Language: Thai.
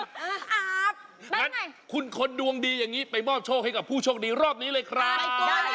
งั้นคุณคนดวงดีอย่างนี้ไปมอบโชคให้กับผู้โชคดีรอบนี้เลยครับ